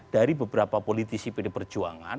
dari beberapa politisi pd perjuangan